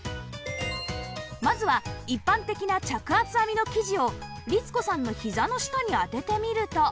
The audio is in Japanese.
まずは一般的な着圧編みの生地を律子さんのひざの下に当ててみると